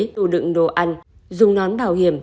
đủ đựng đồ ăn dùng nón bảo hiểm